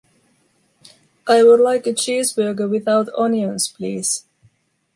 I would like a cheeseburger without onions, please.